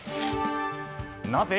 なぜ？